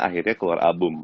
akhirnya keluar album